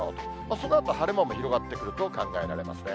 そのあと晴れ間も広がってくると考えられますね。